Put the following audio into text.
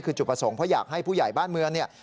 คือจุดประสงค์เพราะอยากให้ผู้ใหญ่บ้านเมืองเนี่ย